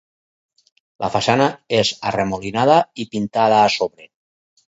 La façana és arremolinada i pintada a sobre.